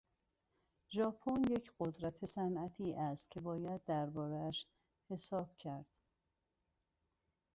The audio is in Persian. ژاپن یک قدرت صنعتی است که باید در بارهاش حساب کرد.